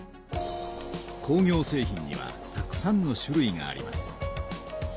工業製品にはたくさんの種類があります。